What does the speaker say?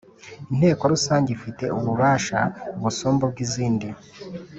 Inteko rusange ifite ububasha busumba ubw izindi